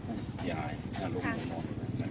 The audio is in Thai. ๖ไม้นะครับใต้อาทารณ์เรียน